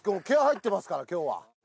気合い入ってますから今日は！